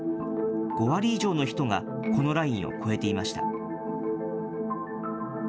５割以上の人がこのラインを超えていました。